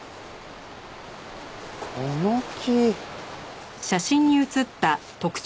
この木。